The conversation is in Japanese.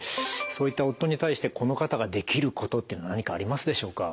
そういった夫に対してこの方ができることって何かありますでしょうか？